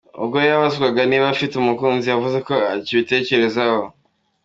Ubwo yabazwaga niba afite umukunzi, yavuze ko akibitekerezaho.